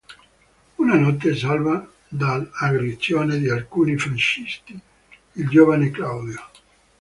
Una notte salva dall'aggressione di alcuni fascisti il giovane Claudio.